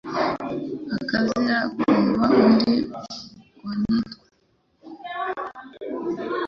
Akazira kumva undi waryitwa